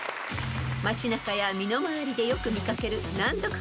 ［街中や身の回りでよく見掛ける難読漢字から出題］